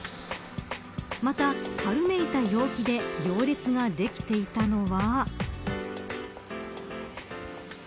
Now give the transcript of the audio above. また、春めいた陽気で行列ができていたのは。